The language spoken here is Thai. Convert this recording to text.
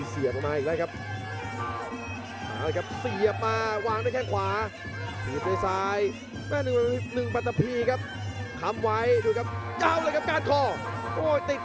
เดินลุยต่อ